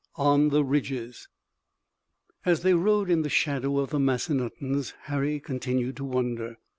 ON THE RIDGES As they rode in the shadow of the Massanuttons Harry continued to wonder.